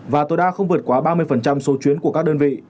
và tối đa không vượt quá ba mươi số chuyến của các đơn vị